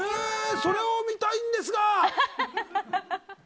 それを見たいんですが。